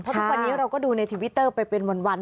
เพราะทุกวันนี้เราก็ดูในทวิตเตอร์ไปเป็นวัน